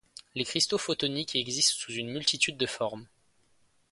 Les cristaux photoniques existent sous une multitude de formes.